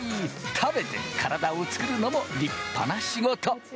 食べて体を作るのも立派な仕事。